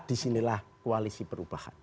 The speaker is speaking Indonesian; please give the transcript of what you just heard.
disinilah koalisi perubahan